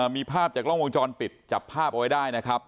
มีภาพจากกล้องวงจรปิดจับภาพเอาไว้ได้นะครับ